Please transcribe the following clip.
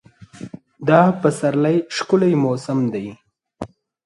دا پسرلی ښکلی موسم دی.